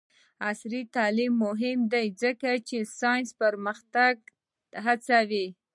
عصري تعلیم مهم دی ځکه چې ساینسي پرمختګ هڅوي.